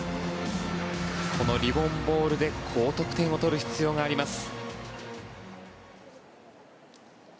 このリボン・ボールで高得点を取る必要があります。